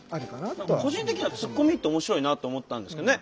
個人的にはツッコミって面白いなと思ったんですけどね。